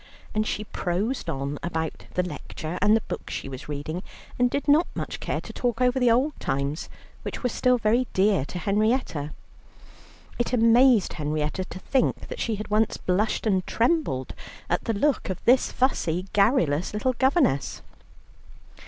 And she prosed on about the lecture and the books she was reading, and did not much care to talk over the old times, which were still very dear to Henrietta. It amazed Henrietta to think that she had once blushed and trembled at the look of this fussy, garrulous little governess.